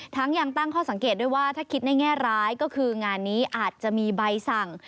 ยังตั้งข้อสังเกตด้วยว่าถ้าคิดในแง่ร้ายก็คืองานนี้อาจจะมีใบสั่ง